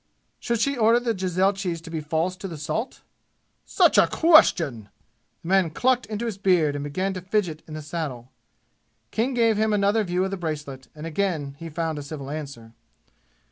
"Should she order the jezailchis to be false to the salt ?" "Such a question!" The man clucked into his beard and began to fidget in the saddle. King gave him another view of the bracelet, and again he found a civil answer.